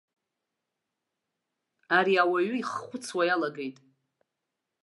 Ари ауаҩы иххәыцуа иалагеит.